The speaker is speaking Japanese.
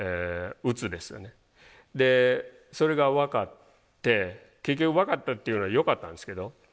でそれが分かって結局分かったっていうのはよかったんですけど。